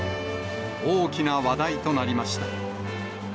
大きな話題となりました。